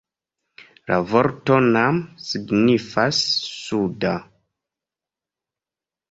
La vorto "nam" signifas 'suda'.